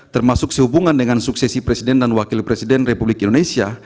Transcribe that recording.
termasuk sehubungan dengan suksesi presiden dan wakil presiden republik indonesia